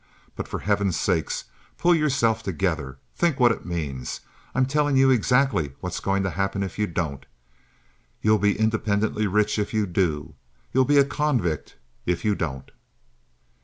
But for Heaven's sake pull yourself together. Think what it means. I'm telling you exactly what's going to happen if you don't. You'll be independently rich if you do. You'll be a convict if you don't."